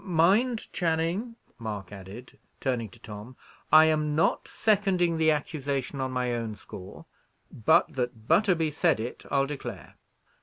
Mind, Channing," Mark added, turning to Tom, "I am not seconding the accusation on my own score; but, that Butterby said it I'll declare."